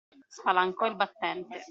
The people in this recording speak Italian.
Spalancò il battente.